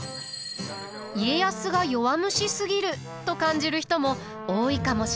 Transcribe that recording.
家康が弱虫すぎると感じる人も多いかもしれません。